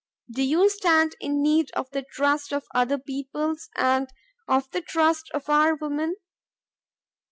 Do you stand in need of the trust of other peoples and of the trust of our women?